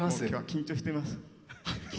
緊張しています。